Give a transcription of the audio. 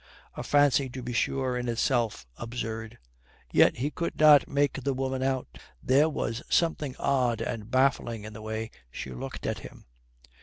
A fancy, to be sure, in itself absurd. Yet he could not make the woman out. There was something odd and baffling in the way she looked at him.